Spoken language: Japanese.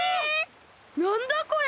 なんだこれ？